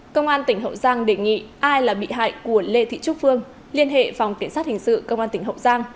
cơ quan tỉnh hậu giang đề nghị ai là bị hại của lê thị trúc phương liên hệ phòng kiểm soát hình sự cơ quan tỉnh hậu giang